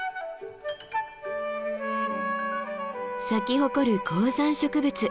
咲き誇る高山植物